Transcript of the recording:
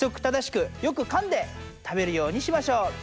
ただしくよくかんで食べるようにしましょう！